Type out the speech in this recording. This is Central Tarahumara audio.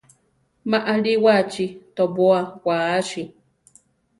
Ma alíwachi tobóa waasi.